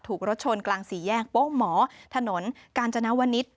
รถชนกลางสี่แยกโป๊ะหมอถนนกาญจนวนิษฐ์